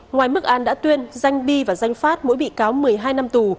ngoài mức an đã tuyên danh bi và danh pháp mỗi bị cáo một mươi hai năm tù